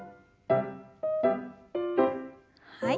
はい。